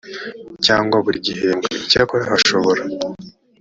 cyangwa buri gihembwe icyakora hashobora